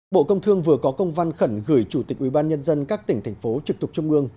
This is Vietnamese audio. bộ công thương vừa có công văn khẩn gửi chủ tịch ubnd các tỉnh thành phố trực thuộc trung ương